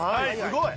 すごい！